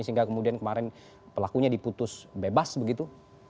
sehingga kemudian kemarin pelakunya diputus bebas begitu